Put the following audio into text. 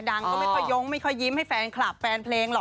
ดังก็ไม่ค่อยยิ้มให้แฟนคลับแฟนเพลงหรอก